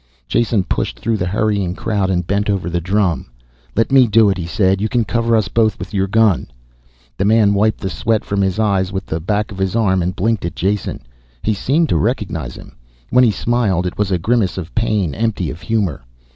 Jason pushed through the hurrying crowd and bent over the drum. "Let me do it," he said. "You can cover us both with your gun." The man wiped the sweat from his eyes with the back of his arm and blinked at Jason. He seemed to recognize him. When he smiled it was a grimace of pain, empty of humor.